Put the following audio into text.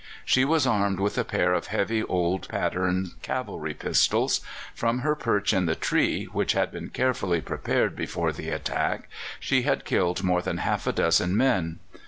She was armed with a pair of heavy old pattern cavalry pistols. From her perch in the tree, which had been carefully prepared before the attack, she had killed more than half a dozen men.